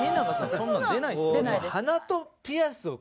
そんなの出ないですよね」